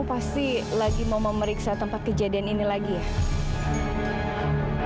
pasti lagi mau memeriksa tempat kejadian ini lagi ya